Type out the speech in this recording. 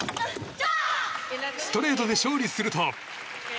ストレートで勝利すると。